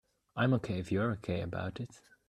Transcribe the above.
I'm OK if you're OK about it.